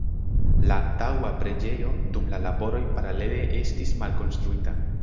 La antaŭa preĝejo dum la laboroj paralele estis malkonstruita.